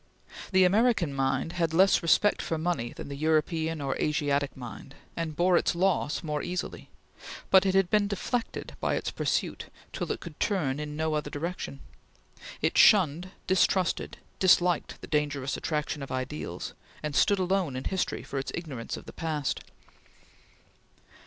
The American mind had less respect for money than the European or Asiatic mind, and bore its loss more easily; but it had been deflected by its pursuit till it could turn in no other direction. It shunned, distrusted, disliked, the dangerous attraction of ideals, and stood alone in history for its ignorance of the past.